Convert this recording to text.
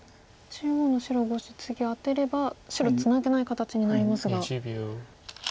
中央の白５子次アテれば白ツナげない形になりますが。